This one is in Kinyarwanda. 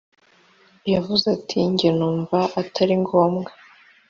yavuze ati “jye numva atari ngombwa”